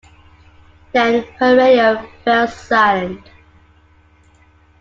Then her radio fell silent.